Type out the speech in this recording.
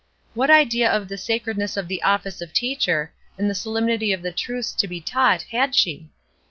What idea of the sacredness of the office of teacher, and the solemnity of the truths to be taught, had she?